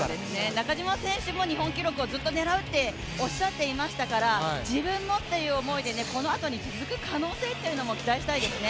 中島選手も日本記録をずっと狙うっておっしゃっていましたから自分もっていう思いで、このあとに続く可能性というのにも期待したいですね。